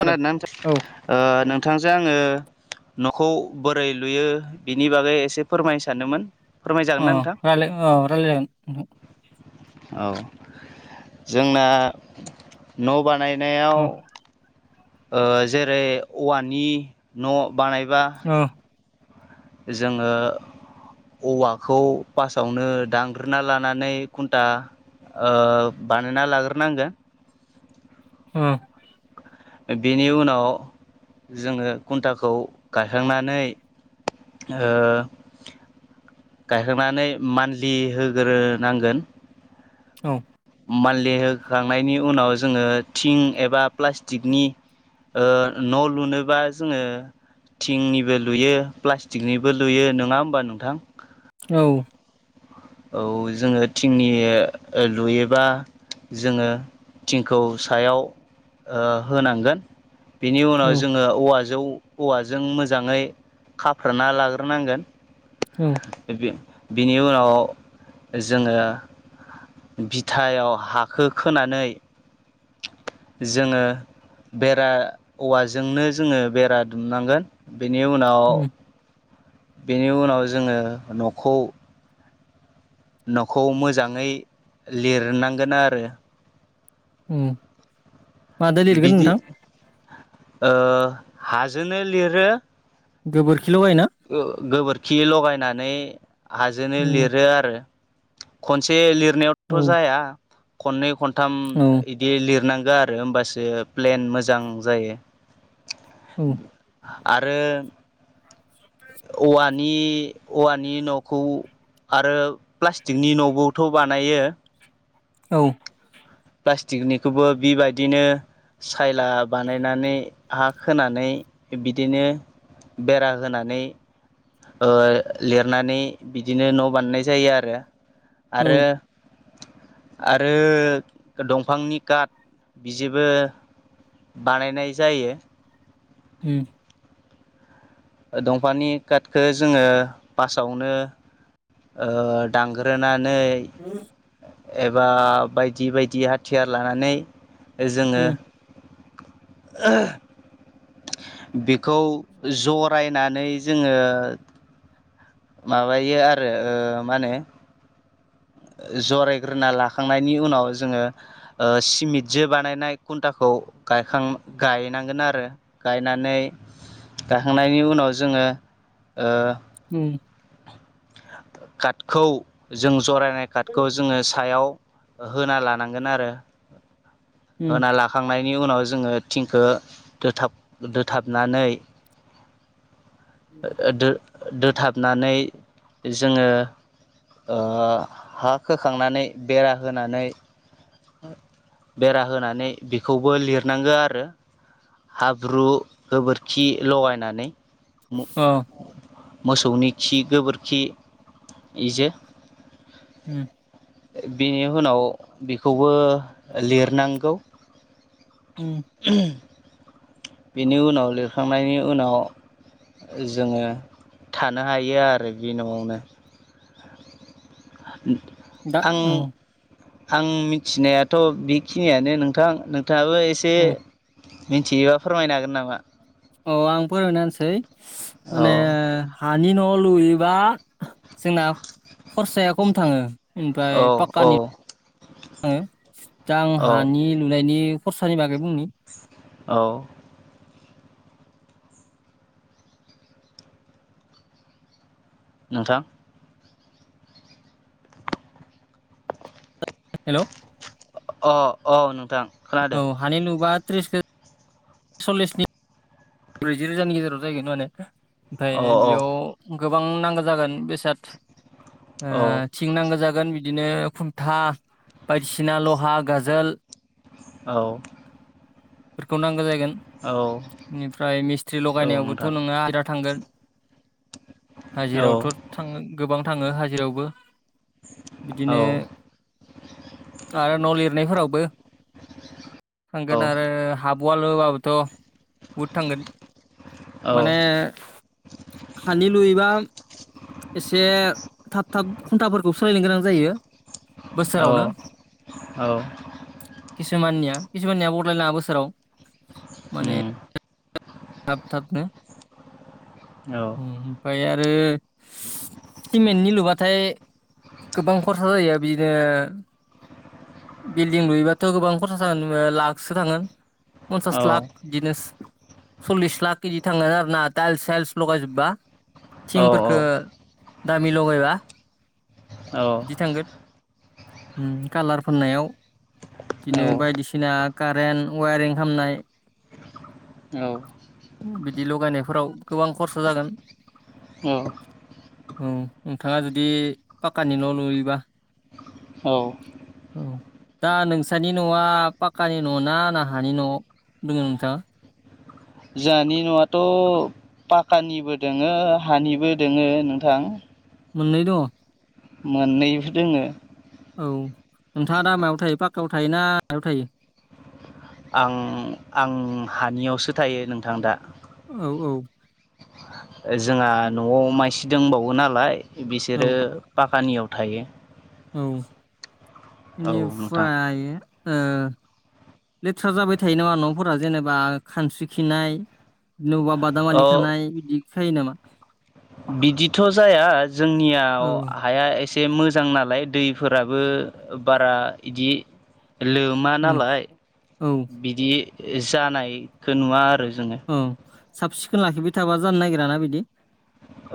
[unintelligible] आरोना खोनादों औ नोंथांजों आङो न'खौ बोरै लुयो बिनि बागै एसे फोरमायनो सानोदोमोन। अ राय अ रायला औ जोंना न' बानायनायाव नोंथां ओ जेरै औवानि न' बानायबा अ जोङो औवाखौ फासावनो दांग्रोना लानानै खुन्टा ओ बानायना लाग्रोनांगोन। उम। बेनि उनाव जोङो खुन्थाखौ गायखांनानै ओ गायखांनानै मान्थलि होग्रोनांगोन। औ। मानलि होखांनायनि उनाव जोङो थिं एबा प्लास्टिकनि ओ न' लुनोबा जोङो थिंनिबो लुयो प्लास्टिकनिबो लुयो नङा होमबा नंथां? औ। औ जोङो थिंनि लुयोबा जोङो टिंखौ सायाव ओ होनांगोन। बिनि उनाव औ जोङो औवा जौ औवाजों मोजाङै खाफ्राना लाग्रोनांगोन। औ बिनि उनाव जोङो बिथायाव हाखो खोनानै जोङो बेरा औवाजोंनो जोङो बेरा दुमनांगोन। बेनि उनाव उम बेनि उनाव जोङो न'खौ न'खौ मोजाङै लिरनांगोन आरो। उम माजों लिरगोन बिदि नोंथां? ओ हाजोंनो लिरो। गोबोर ओ गोबोरखि लगायनानै हाजोंनो उम लिरो आरो। खनसे औ लिरनायावथ' जाया खननै खनथाम औ इदि लिरनां आरो होमबासो प्लेन मोजां जायो। औ आरो औवानि औवानि न'खौ आरो प्लास्टिकनि न'बोथ' बानायो औ प्लास्टिकनिखौबो बेबायदिनो सायला बानायनानै हा खोनानै बिदिनो बेरा होनानै ओ लिरनानै बिदिनो न' बानायनाय जायो आरो। आरो आरो दंफांनि काट बिजोंबो बानायनाय जायो। हुम दंफांनि काटखौ जोङो फार्स्ट आवनो ओ दानग्रोना नै एबा बायदि बायदि हाथियार लानानै जोङो उम बेखौ जरायनानै जोङो माबायो आरो ओ मा होनो जरायग्रोना लाखांनायनि उनाव जोङो ओ सिमिदजों बानायनाय खुन्टा खौ गायखां गायनांगोन आरो गायनानै गाखांनायनि उनाव जोङो ओ [inaudible] कार्टखौ जों जरायनाय कार्टखौ जोङो सायाव होना लानांगोन आरो उम होना लाखांनाय नि उनाव जोङो थिंखौ दोथाब दोथाबनानै दो-दोथाबनानै जोङो ओ हा खोखांनानै बेरा होनानै बेरा होनानै बेखौबो लिरनांगो आरो। हाब्रु गोबोरखि लगायनानै अ मोसौनि खि गोबोर खि इजो उम बेनि उनाव बेखौबो लिरनांगौ। उम [unintelligible] बेनि उनाव लिरखांनायनि उनाव जोङो थानो हायो आरो बे न'आवनो। दा आं उम। आं मिथिनायाथ' बेखिनियानो नोंथां नोंथाङाबो एसे। उम मिथियोबा फोरमायनो हागोन नामा। औ आं फोरोनाहोनसै औ माने ओ हानि न' लुयोबा। जोंना खरसाया खम थाङो औ इनफाय औ पाक्कानि आङो दा आं औ हानि लुनायनि खरसानि बागै बुंनि। औ। नोंथां। हेल'। अ-अ नोंथां। खोनादो औ हानि नुुबा त्रिस [unintelligible] सल्लिसनि ब्रैजि रोजानि गेजेराव जाहैगोन माने। औ प्राय औ बेयाव गोबां नांगो जागोन बेसाद ओ औ थिं नांगो जागो गोन बिदिनो खुनथा बायदिसिना लहा गाजोल औ। फोरखौ नांगो जायगोन। औ इनिफ्राय मिस्ट्रि औ लगायनायावबोथ' नोंथां नोंङो बिराद थांगोन। औ हाजिरावथ' थांगोम गोबां थाङो हाजिरावबो। औ बिदिनो आरो न' लिरनायफोरावबो। थांगोन आरो हाबवालहोबाबोथ' बहुद थांगोन। माने हानि लुयोबा। एसे थाब-थाब खुन्थाफोरखौ सोलायनो गोनां जायो। बोसोरावनो औ-औ। किसुमाननिया किसुमाननिया बलाय लाङा बोसोराव। उम। माने थाब थाबनो। औ ओमफ्राय आरो सिमेन्टनि लुबाथाय। गोबां खरसा जायो। बिदिनो बिल्डिं लुयोबाथ' गोबां खरसा [unintelligible] ओ लाखसो थांङो। औ पन्सास औ लाख बिनोस सल्लिस लाख केदि थांगोन आरोना टाइल्स साइल्स लगायजोबबा औ थिंफोरखो दामि लगायबा बिदि थांगोन। उम कालार फोननायाव खिनो बायदिसिना। कारेन्ट वायारिं खामनाय। उम बिदि लगायनायफोराव गोबां खरसा जागोन। औ [unintelligible] नोंथाङा जुदि पाक्कानिल' लुयोबा। औ। औ दा नोंसोरनि न'आ पाक्कानि न' ना हानि न' दोङो नोंथाङा। जानि न'आथ'। पाक्कानिबो दोङो हानिबो दोङो नोंथां। मोननै दङ। मोननैबो दोङो। औ नोंथाङा दामायाव थायो पाक्कायाव थायोना हायाव थायो। आं-आं हानियावसो थायो नोंथां दा। ओ औ औ जोंहा न'आव मायसि दंबावो नालाय। औ बिसोरो पाक्कानियाव थायो। औ औ नोंथां इनिफ्रायो ओ। लेथ्रा जाबाय थायो नामा न'फोरा जेनेबा खानस्रि खिनाय। नैबा औ बादामालिखानाय बिदिखायो नामा। बिदिथ' जाया जोंनियाव औ हाया ए से मोजां नालाय दैफोराबो बारा इदि लोमा उम नालाय औ बिदि जानायखौ नुवा आरो जोङो ओं साब सिखोन लाखिबाय थाबा जानो नागिराना बिदि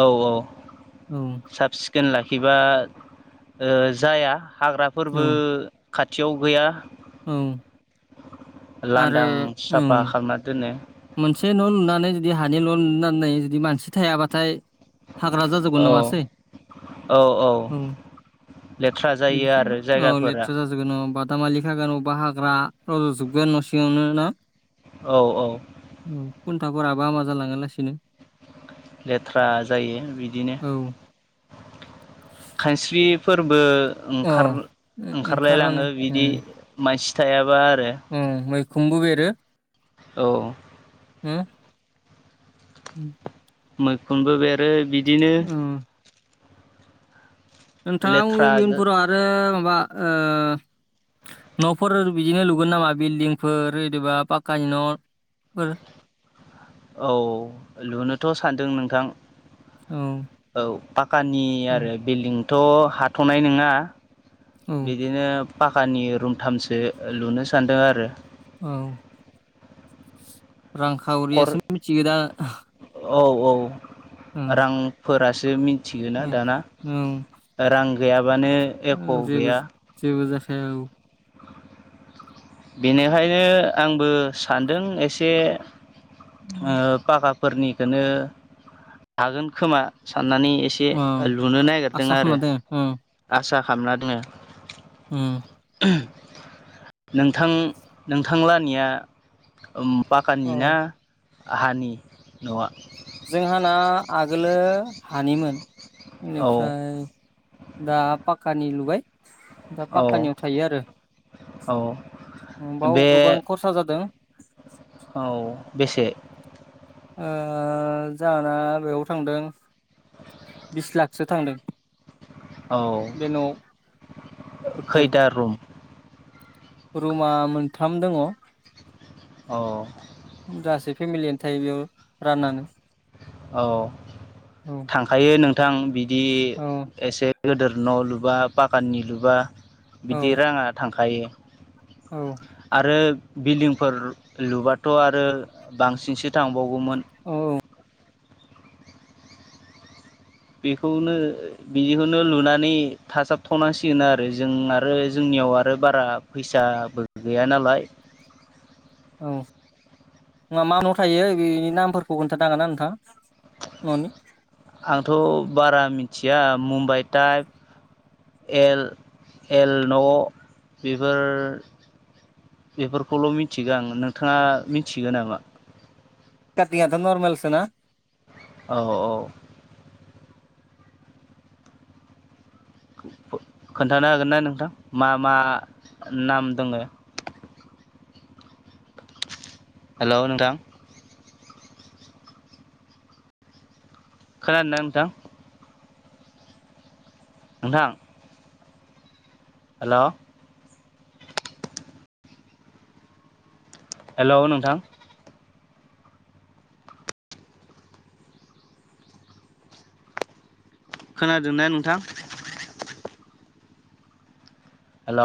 औ औ औ साब सिखोन लाखिबा ओ जाया औ हाग्राफोरबो खाथियाव गैया औ आरो लांदां साफा औ खालामना दोनो। मोनसे न' लुनानै जुदि हानि न' लुनानै जुदि मानसि थायाबाथाय हाग्रा जाजोबोगोन औ नङासै औ। लेथ्रा बिनिख जायो आरो औ जायगाफोरा लेथ्रा जाजोबोगोन बा दामालि खागोन औबा हाग्रा रज'जोबगोन न' सिङावनो ना। औ औ फोराबो आमा जालांगोन लासैनो लेथ्रा जायो बिदिनो औ खानस्रि फोरबो औ ओंखार ओंखारलायलाङो ओंखारनानै बिदि उम मानसि थायाबा आरो उम मैखोमबो बेरो। औ हो उम मैखुनबो बेरो बिब ओं नोंथाङा लेथ्रा उइयुनफोराव आरो माबा ओ न'फोर बिदिनो लुगोन नामा बिल्डिंफोर एदबा पाक्कानि न' फोर औ लुनोथ' सानदों नोंथां औ औ फाक कानानि उम आरो बिल्डिंथ' हाथ'नाय नङा बिदिनो पाककनि रुमथामसो लुनो सान्दों आरो ओं खर रांखावरियासो मिथिगो दा। औ औ औ रांफोरासो मि थिगोना औ दाना रां गैयाबानो औ एख' जेबो गैया। जेबो औ बेनिखायनो आंबो सानदों एसे ओ पाका फोरनिखौनो हागोन खोमा साननानै एसे औ लुनो नागिरदों आसा आरो खालामना दोन औ आसा खालामना दोङो। उम नोंथां नोंथांलानिया ओम पाकानि औ ना हानि न'आ? जोंहाना आगोलो हानिमोन औ बेनिफ्राय दा पाकानि लुबाय दा औ पाककानियाव थायो आरो औ बाव बे गोबां खरसा जादों। औ बेसे? ओ जाहोना बेयाव थांदों बिस लाखसो थांदों। औ बेे न'आव हटेल खैथा रुम रुमा मोनथाम दङ। औ गासै फेमिलियानो थायो बेयाव राननानै। औ औ थांखायो नोंथां बिदि औ एसे गोदोर न' लुबा ‌ बागाननि लुबा औ बिदि राङा थांखायो। औ। आरो बिल्दिंफोर लुबाथ' आरो बांसिनसो थां। बावगौमोन। औ औ बेखौनो बिदिखौनो लुनानै थाजाबथ'नांसिगोन आरो जों आरो जोंनि जोंनियाव आरो बारा फैसाबो गैया नालाय औ मा मा न' थायो बेनि नामफोरखौ खोन्थानो हागोन ना नोंथां। न'नि आंथ' बारा मिथिया मुम्बाइ टाइप एल एल न' बेफोर बेफोरखौल' मिथिगोन आं नोंथाङा मिथियो नामा? [unintelligible] नर्मेलसोना औ औ। खोन्थानो हागोन ना नोंथां मा मा नाम दङ [inaudible] हेल' नोंथां! खोनानो ना नोंथां। नोंथां। हेल'। हेल' नोंथां। खोनादोंना नोंथां। हेल'।